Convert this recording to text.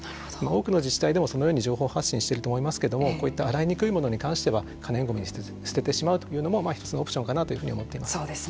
多くの自治体でもそのように情報発信してると思いますけどこういった洗いにくいものに関しては可燃ゴミに捨ててしまうというのも一つのオプションかなというふうに思っています。